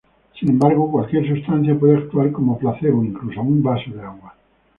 Sin embargo, cualquier sustancia puede actuar como placebo, incluso un vaso de agua.